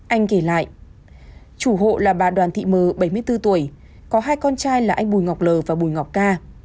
anh kể lại chủ hộ là bà đoàn thị m bảy mươi bốn tuổi có hai con trai là anh bùi ngọc lờ và bùi ngọc ca